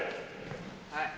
はい。